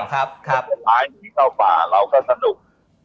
สุดท้ายหนีเข้าป่าเราก็สนุก